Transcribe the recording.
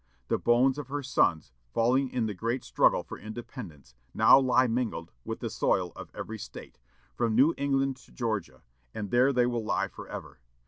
The bones of her sons, falling in the great struggle for Independence, now lie mingled with the soil of every State, from New England to Georgia; and there they will lie forever.